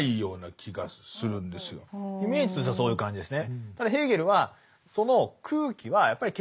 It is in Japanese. イメージとしてはそういう感じですね。